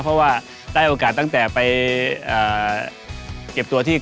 เพราะว่าได้โอกาสตั้งแต่ไปเก็บตัวที่